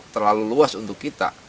terlalu luas untuk kita